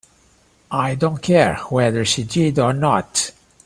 I don't care whether she did or not.